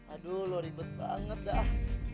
aduh lo ribet banget dah